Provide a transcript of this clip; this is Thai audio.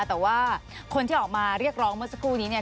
แต่ว่าคนที่ออกมาเรียกร้องเมื่อสักครู่นี้เนี่ย